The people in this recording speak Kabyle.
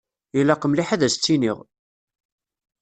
Ilaq mliḥ ad as-tt-iniɣ!